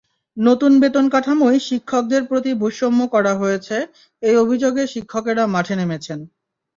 নতুন বেতনকাঠামোয় শিক্ষকদের প্রতি বৈষম্য করা হয়েছে—এই অভিযোগে শিক্ষকেরা মাঠে নেমেছেন।